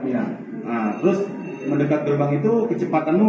nah terus mendekat gerbang itu kecepatanmu